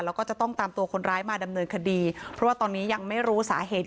แล้วก็จะต้องตามตัวคนร้ายมาดำเนินคดีเพราะว่าตอนนี้ยังไม่รู้สาเหตุ